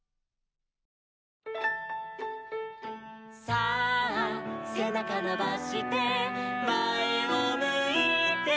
「さあせなかのばしてまえをむいて」